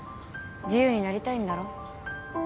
自由になりたいんだろ？